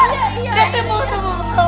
nanti ketemu mama